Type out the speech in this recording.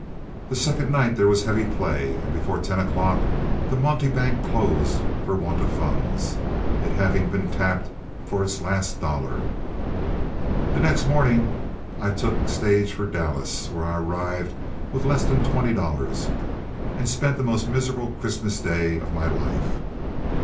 The second night there was heavy play, and before ten o'clock the monte bank closed for want of funds, it having been tapped for its last dollar. The next morning I took stage for Dallas, where I arrived with less than twenty dollars, and spent the most miserable Christmas day of my life.